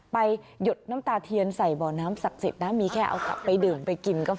หยดน้ำตาเทียนใส่บ่อน้ำศักดิ์สิทธิ์นะมีแค่เอากลับไปดื่มไปกินก็พอ